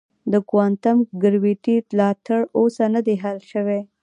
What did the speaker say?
د کوانټم ګرویټي لا تر اوسه نه دی حل شوی.